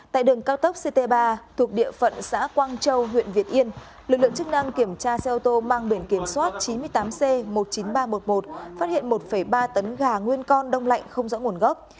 tại đường cao tốc ct ba thuộc địa phận xã quang châu huyện việt yên lực lượng chức năng kiểm tra xe ô tô mang biển kiểm soát chín mươi tám c một mươi chín nghìn ba trăm một mươi một phát hiện một ba tấn gà nguyên con đông lạnh không rõ nguồn gốc